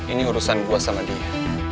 ini urusan gue sama dia